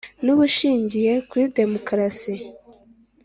N ubushingiye kuri demokarasi